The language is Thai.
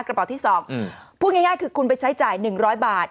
กระเป๋าที่สองอืมพูดง่ายง่ายคือคุณไปใช้จ่ายหนึ่งร้อยบาท